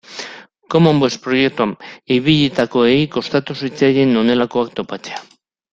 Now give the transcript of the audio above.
Common Voice proiektuan ibilitakoei kostatu zitzaien honelakoak topatzea.